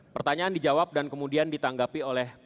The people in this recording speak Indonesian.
pertanyaan dijawab dan kemudian ditanggapi oleh